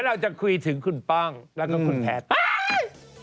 ก็คุยถึงคุณป้องแล้วก็คุณแพทย์